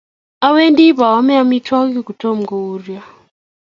Awendi baame amitwogikyuk kotomo kouryo